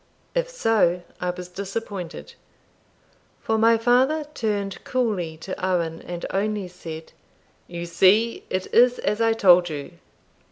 If so, I was disappointed; for my father turned coolly to Owen, and only said, "You see it is as I told you.